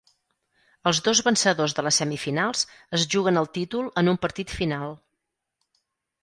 Els dos vencedors de les semifinals es juguen el títol en un partit final.